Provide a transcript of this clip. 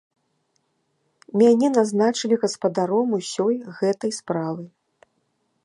Мяне назначылі гаспадаром усёй гэтай справы.